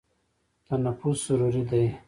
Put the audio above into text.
تنفس ضروري دی.